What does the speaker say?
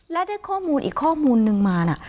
และได้อีกข้อมูลนึงมา